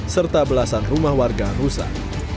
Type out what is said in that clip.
serta belasan rumah warga rusak